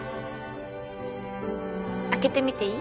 開けてみていい？